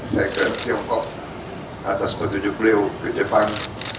saya ke tiongkok atas petunjuk beliau ke jepang